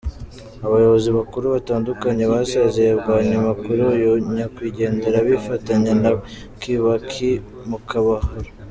Abayobozi bakuru batandukanye basezeye bwa nyuma kuri uyu nyakwigendera, bifatanya na Kibaki mu kababaro.